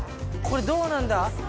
これどうなんだ？